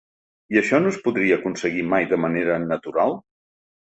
I això no es podria aconseguir mai de manera natural?